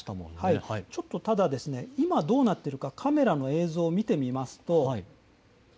ただ、今どうなっているかカメラの映像を見てみます。